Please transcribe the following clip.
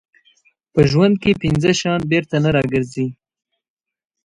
په ژوند کې پنځه شیان بېرته نه راګرځي.